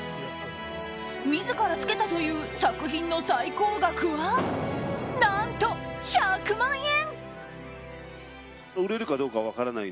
自らつけたという作品の最高額は何と１００万円！